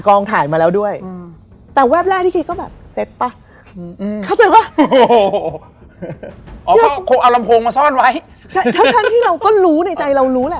โอ้ยแม่ลดหน่อย๓๔๔